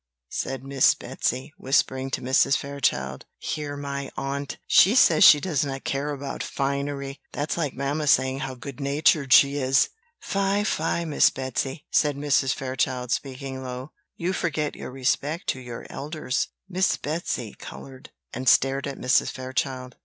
says Miss Betsy, whispering to Mrs. Fairchild "hear my aunt! she says she does not care about finery! That's like mamma saying how good natured she is!" "Fie, fie, Miss Betsy!" said Mrs. Fairchild, speaking low; "you forget your respect to your elders." Miss Betsy coloured, and stared at Mrs. Fairchild.